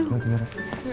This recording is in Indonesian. mau tidur ya